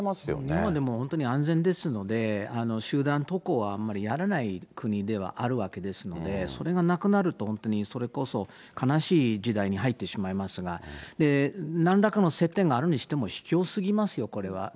日本はでも安全ですので、集団登校はあんまりやらない国ではありますので、それがなくなると、本当にそれこそ悲しい時代に入ってしまいますが、なんらかの接点があるにしてもひきょうすぎますよ、これは。